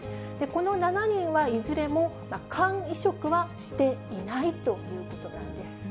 この７人はいずれも肝移植はしていないということなんです。